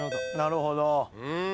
なるほど。